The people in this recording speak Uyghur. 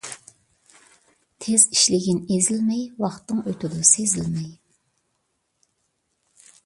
تېز ئىشلىگىن ئېزىلمەي، ۋاقتىڭ ئۆتىدۇ سېزىلمەي.